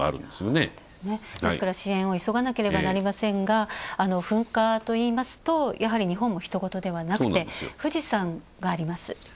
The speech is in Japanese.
ですから、支援を急がなければなりませんが噴火といいますと、やはり日本もひと事ではなくて富士山があります。